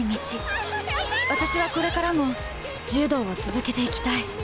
私はこれからも柔道を続けていきたい。